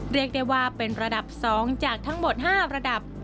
เรียกได้ว่าเป็นระดับ๒จากทั้งหมด๕ระดับ